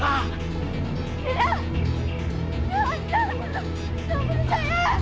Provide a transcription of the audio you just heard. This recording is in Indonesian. jangan bunuh jangan bunuh saya